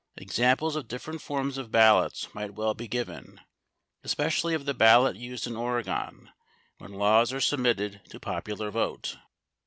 Examples of different forms of ballots might well be given, especially of the ballot used in Oregon when laws are submitted to popular vote.